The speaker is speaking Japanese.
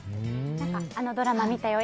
あのドラマ見たよ